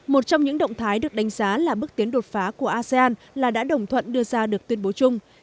một trong những động thái được đánh giá là bước tiến đột phá của asean là đã đồng thuận đưa ra được tuyên bố chung